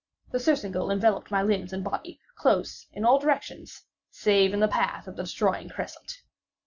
The surcingle enveloped my limbs and body close in all directions—save in the path of the destroying crescent.